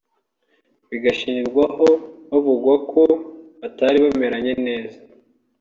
bigashingirwaho havugwa ko batari bameranye neza